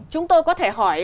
chúng tôi có thể hỏi